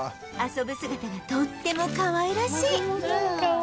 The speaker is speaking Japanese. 遊ぶ姿がとってもかわいらしい